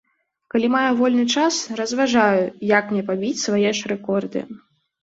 Калі маю вольны час, разважаю, як мне пабіць свае ж рэкорды.